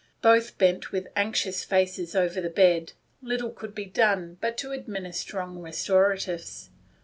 Both bent with anxious faces over the bed. Little could be done but to admin ister strong restoratives.